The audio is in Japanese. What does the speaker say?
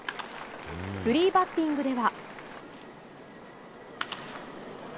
フリーバッティングでは。